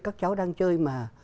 các cháu đang chơi mà